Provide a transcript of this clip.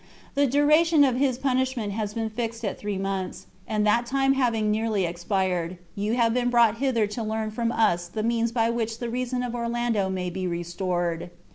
The duration of his punishment has been fixed at three months, and that time having nearly expired, you have been brought hither to learn from us the means by which the reason of Orlando may be restored.